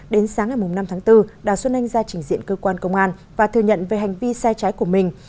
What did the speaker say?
đến sáng ngày năm tháng bốn đào xuân anh ra trình diện cơ quan công an và thừa nhận về hành vi sai trái của mình